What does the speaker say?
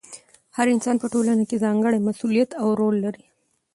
هر انسان په ټولنه کې ځانګړی مسؤلیت او رول لري.